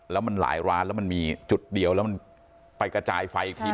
แล้วมันหลายร้านแล้วมันมีจุดเดียวแล้วมันไปกระจายไฟอีกที